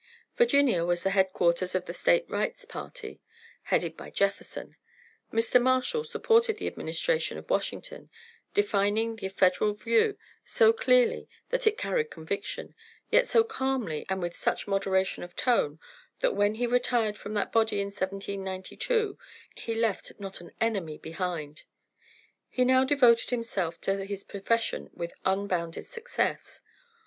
Virginia was the headquarters of the State rights party, headed by Jefferson. Mr. Marshall supported the administration of Washington, defining the Federal view so clearly that it carried conviction, yet so calmly and with such moderation of tone, that when he retired from that body in 1792 he left not an enemy behind. He now devoted himself to his profession with unbounded success.